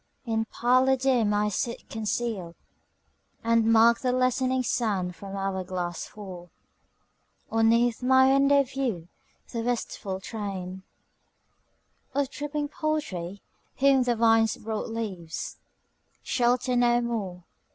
In parlour dim I sit concealed, And mark the lessening sand from hour glass fall; Or 'neath my window view the wistful train Of dripping poultry, whom the vine's broad leaves Shelter no more.